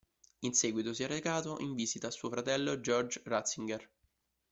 In seguito si è recato in visita a suo fratello Georg Ratzinger.